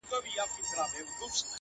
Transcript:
د سيند پر غاړه’ سندريزه اروا وچړپېدل’